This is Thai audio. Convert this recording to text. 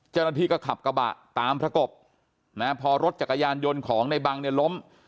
เจ้าหน้าที่ก็ขับกระบะตามประกบพอรถจักรยานยนต์ของในบังเนี่ยล้ม